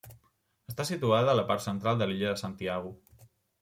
Està situada a la part central de l'illa de Santiago.